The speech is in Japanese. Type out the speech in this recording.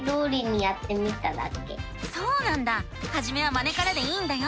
そうなんだはじめはまねからでいいんだよ！